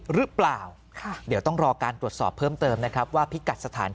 หรือเปล่าเดี๋ยวต้องรอการตรวจสอบเพิ่มเติมนะครับว่าพิกัดสถาน